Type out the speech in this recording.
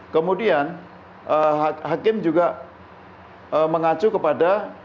kemudian hakim juga mengacu kepada